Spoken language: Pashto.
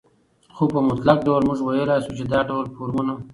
خو په مطلق ډول موږ وويلى شو، چې دا ډول فورمونه